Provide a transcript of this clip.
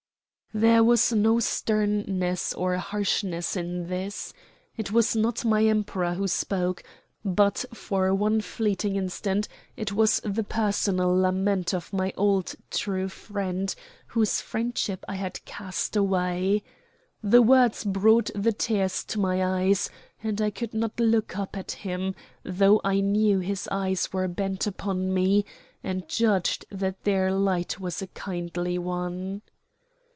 There was no sternness or harshness in this. It was not my Emperor who spoke, but for one fleeting instant it was the personal lament of my old true friend whose friendship I had cast away. The words brought the tears to my eyes, and I could not look up at him, though I knew his eyes were bent upon me, and judged that their light was a kindly one.